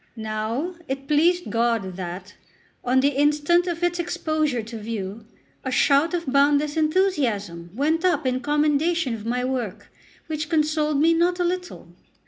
Now it pleased God that, on the instant of its exposure to view, a shout of boundless enthusiasm went up in commendation of my work, which consoled me not a little.